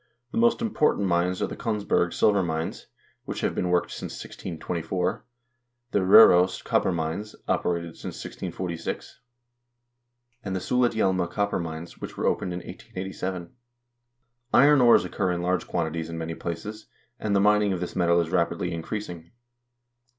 The most important mines are the Kongsberg silver mines, which have been worked since 1624, the Rtfros copper mines, operated since 1646, and the Sulitjelma copper mines, which were opened in 1887. Iron ores occur in large quantities in many places, and the mining of this metal is rapidly increasing.